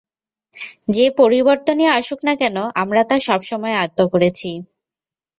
যে পরিবর্তনই আসুক না কেন আমরা তা সবসময় আয়ত্ত করেছি।